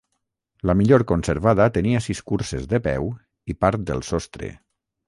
La millor conservada tenia sis curses de peu i part del sostre.